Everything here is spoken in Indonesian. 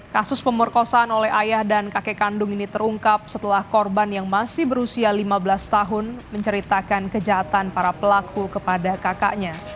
kasus pemerkosaan oleh ayah dan kakek kandung ini terungkap setelah korban yang masih berusia lima belas tahun menceritakan kejahatan para pelaku kepada kakaknya